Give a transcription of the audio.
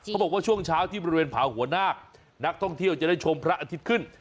บอกว่าช่วงเช้าที่บริเวณผาหัวหน้านักท่องเที่ยวจะได้ชมพระอาทิตย์ขึ้น